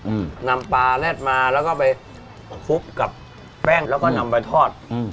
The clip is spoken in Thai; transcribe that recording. อืมนำปลาแรดมาแล้วก็ไปคลุกกับแป้งแล้วก็นำไปทอดอืม